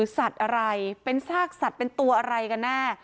สัตว์อะไรเป็นซากสัตว์เป็นตัวอะไรกันแน่